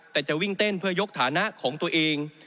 แต่จะวิ่งเต้นเพื่อยกฐานะของตัวเอง